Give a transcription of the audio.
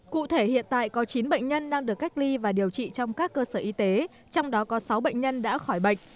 cụ thể hiện tại có chín bệnh nhân đang được cách ly và điều trị trong các cơ sở y tế trong đó có sáu bệnh nhân đã khỏi bệnh